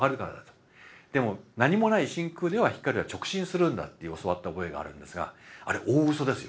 でも何もない真空では光は直進するんだって教わった覚えがあるんですがあれ大うそですよ。